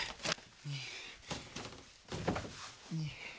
２２。